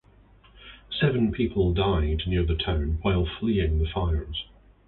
Seven people died near the town while fleeing the fires.